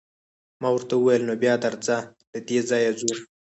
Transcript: ما ورته وویل: نو بیا درځه، له دې ځایه ځو.